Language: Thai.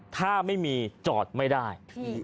ถ้าไม่มีจอดไม่ได้